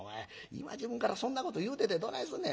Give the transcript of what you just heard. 今時分からそんなこと言うててどないすんねん。